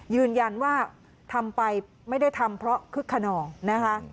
ยืนยันว่าทำไปไม่ได้ทำเพราะคึกขนองนะคะ